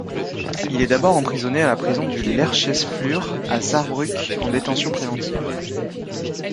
Il est d'abord emprisonné à la prison du Lerchesflur à Sarrebruck en détention préventive.